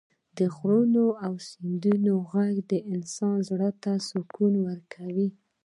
د غرونو او سیندونو غږ د انسان زړه ته سکون ورکوي.